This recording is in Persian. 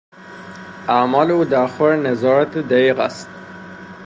اعمال او در خور نظارت دقیق است